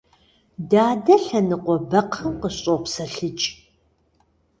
Дадэ лъэныкъуэ бэкхъым къыщӀопсэлъыкӀ.